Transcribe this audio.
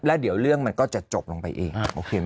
แล้วเดี๋ยวเรื่องมันก็จะจบลงไปเอง